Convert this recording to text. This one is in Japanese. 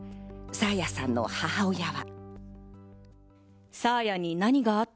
爽彩さんの母親は。